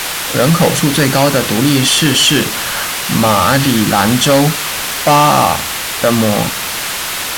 人口数最高的独立市是马里兰州巴尔的摩。